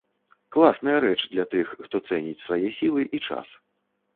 Класная рэч для тых, хто цэніць свае сілы і час.